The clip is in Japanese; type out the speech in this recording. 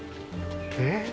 えっ？